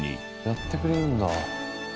やってくれるんだ。